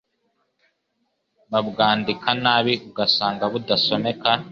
babwandika nabi ugasanga budasomeka